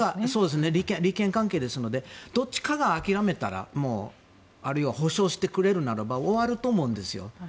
利権関係ですのでどっちかが諦めたらあるいは保障してくれるならば終わると思うんですよ。